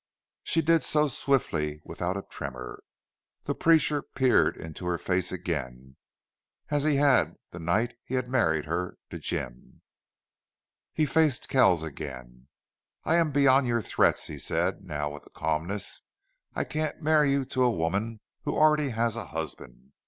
She did so, swiftly, without a tremor. The preacher peered into her face again, as he had upon the night he had married her to Jim. He faced Kells again. "I am beyond your threats," he said, now with calmness. "I can't marry you to a woman who already has a husband....